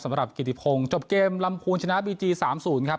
สำหรับกิติพงจบเกมลำพูนชนะบีจีสามศูนย์ครับ